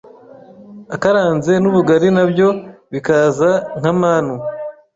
akaranze n’ubugari nabyo bikaza nka manu